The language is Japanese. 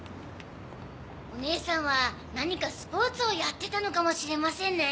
おねえさんは何かスポーツをやってたのかもしれませんね。